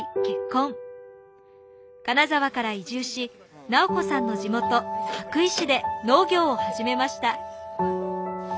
金沢から移住し奈央子さんの地元羽咋市で農業を始めました。